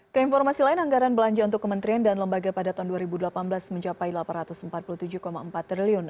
keinformasi lain anggaran belanja untuk kementerian dan lembaga pada tahun dua ribu delapan belas mencapai rp delapan ratus empat puluh tujuh empat triliun